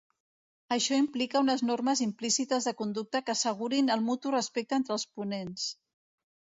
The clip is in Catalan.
Això implica unes normes implícites de conducta que assegurin el mutu respecte entre els ponents.